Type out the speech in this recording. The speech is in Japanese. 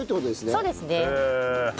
そうですね。